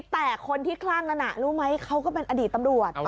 แต่คนที่คลั่งนั้นรู้ไหมเขาก็เป็นอดีตตำรวจ